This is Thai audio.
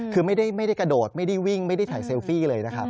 คือไม่ได้กระโดดไม่ได้วิ่งไม่ได้ถ่ายเซลฟี่เลยนะครับ